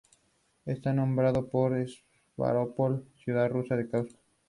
Está nombrado por Stávropol, ciudad rusa del Cáucaso.